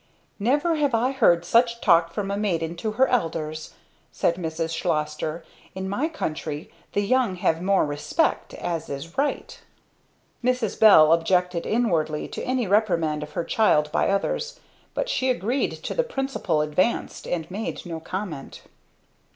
"Never have I heard such talk from a maiden to her elders," said Mrs. Schlosster. "In my country the young have more respect, as is right." Mrs. Bell objected inwardly to any reprimand of her child by others; but she agreed to the principle advanced and made no comment.